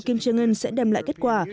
kim jong un sẽ đem lại kết quả